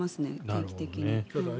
定期的に。